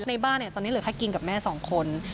ในบ้านเนี่ยตอนนี้เหลือแค่กินกับแม่สองคน